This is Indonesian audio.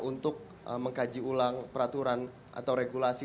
untuk mengkaji ulang peraturan atau regulasi